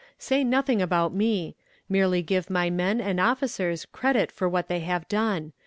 Say nothing about me; merely give my men and officers credit for what they have done.